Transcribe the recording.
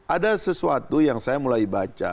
ada sesuatu yang saya mulai baca